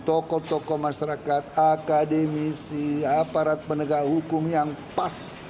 tokoh tokoh masyarakat akademisi aparat penegak hukum yang pas